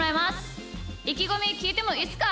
いきごみきいてもいいっすか？